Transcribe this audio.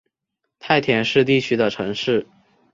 太田市地区的城市。